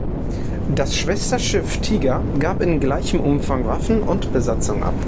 Das Schwesterschiff "Tiger" gab in gleichem Umfang Waffen und Besatzung ab.